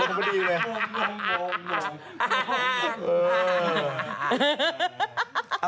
เฮอ